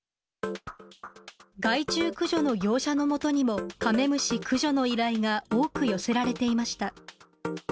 害虫駆除の業者のもとにも、カメムシ駆除の依頼が多く寄せられていました。